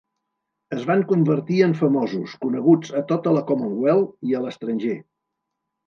Es van convertir en famosos, coneguts a tota la Commonweath i a l'estranger.